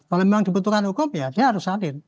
kalau memang dibutuhkan hukum ya dia harus hadir